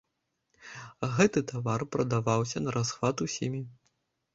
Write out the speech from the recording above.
Гэты тавар прадаваўся нарасхват усімі.